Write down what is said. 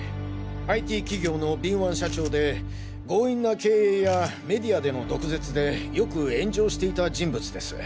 ＩＴ企業の敏腕社長で強引な経営やメディアでの毒舌でよく炎上していた人物です。